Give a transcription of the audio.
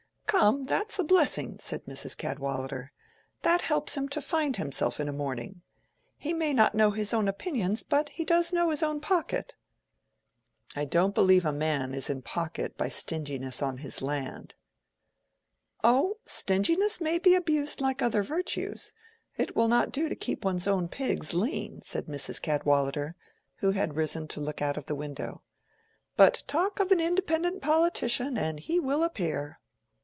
"Come, that's a blessing," said Mrs. Cadwallader. "That helps him to find himself in a morning. He may not know his own opinions, but he does know his own pocket." "I don't believe a man is in pocket by stinginess on his land," said Sir James. "Oh, stinginess may be abused like other virtues: it will not do to keep one's own pigs lean," said Mrs. Cadwallader, who had risen to look out of the window. "But talk of an independent politician and he will appear."